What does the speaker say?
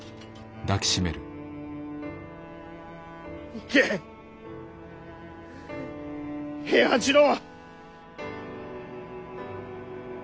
行け平八郎。